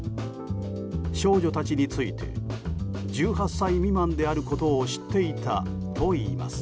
少女たちについて１８歳未満であることを知っていたといいます。